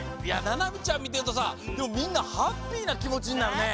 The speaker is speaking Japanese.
ななみちゃんみてるとさみんなハッピーなきもちになるね。